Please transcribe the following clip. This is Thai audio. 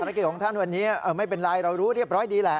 กิจของท่านวันนี้ไม่เป็นไรเรารู้เรียบร้อยดีแหละ